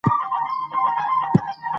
د پردیو دسیسو ته پام کوئ.